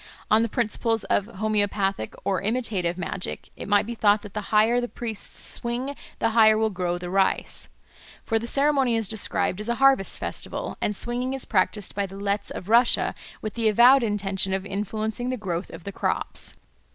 On the principles of homoeopathic or imitative magic it might be thought that the higher the priests swing the higher will grow the rice. For the ceremony is described as a harvest festival, and swinging is practised by the Letts of Russia with the avowed intention of influencing the growth of the crops.